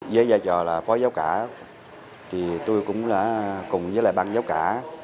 với giai trò là phó giáo cả tôi cũng cùng với băng giáo cả